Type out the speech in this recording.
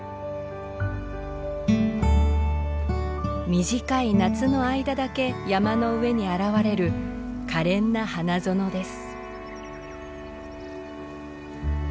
短い夏の間だけ山の上に現れる可憐な花園です。